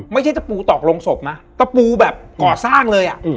ตะปูตอกลงศพนะตะปูแบบก่อสร้างเลยอ่ะ